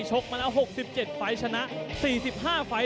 ชกมาตะ๖๗ไฟล์ชนะ๔๕ไฟล์